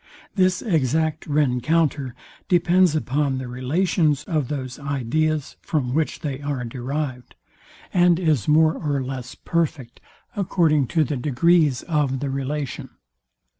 This exact rencounter depends upon the relations of those ideas, from which they are derived, and is more or less perfect, according to the degrees of the relation.